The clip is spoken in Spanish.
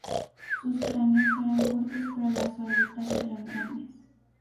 Sus cráneos eran cortos, pero las órbitas eran grandes.